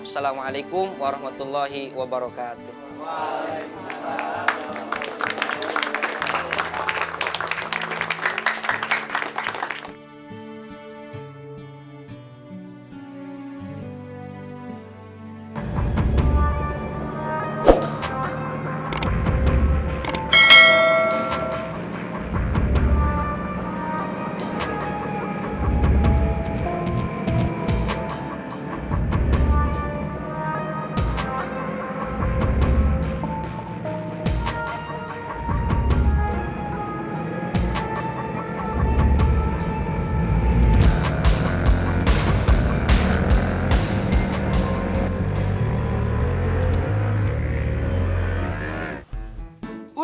wassalamualaikum warahmatullahi wabarakatuh